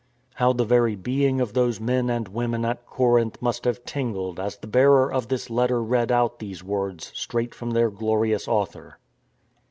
How the very being of those men and women at Corinth must have tingled as the bearer of this letter read out these words straight from their glorious author.